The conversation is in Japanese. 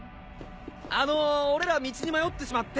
あの俺ら道に迷ってしまって。